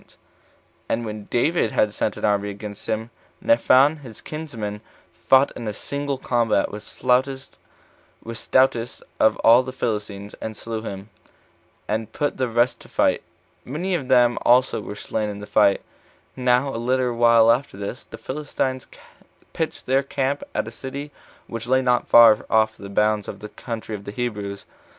After which defeat, the Philistines made war again; and when David had sent an army against them, Nephan his kinsman fought in a single combat with the stoutest of all the Philistines, and slew him, and put the rest to flight. Many of them also were slain in the fight. Now a little while after this, the Philistines pitched their camp at a city which lay not far off the bounds of the country of the Hebrews.